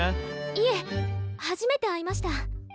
いえ初めて会いました。